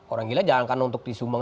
orang gila jangan kan untuk disumbang